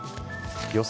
予想